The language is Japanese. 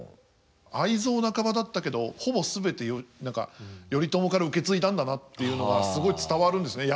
愛憎半ばだったけどほぼ全て頼朝から受け継いだんだなっていうのはすごい伝わるんですね